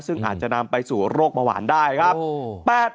ซึ่งอาจจะนำไปสู่โรคเบาหวานได้ครับ